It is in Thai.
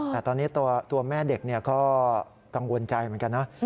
แต่ตอนนี้ตัวแม่เด็กก็กังวลใจเหมือนกันนะ